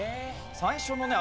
最初のね